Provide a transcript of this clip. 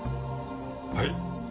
はい。